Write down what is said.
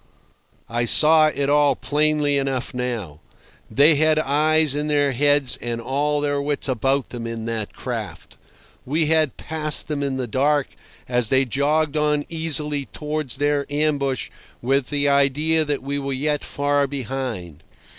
I saw it all plainly enough now. They had eyes in their heads and all their wits about them in that craft. We had passed them in the dark as they jogged on easily towards their ambush with the idea that we were yet far behind.